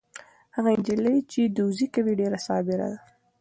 هغه نجلۍ چې دوزي کوي ډېره صابره ده.